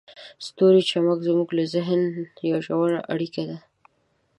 د ستورو چمک زموږ له ذهن سره یوه ژوره اړیکه لري.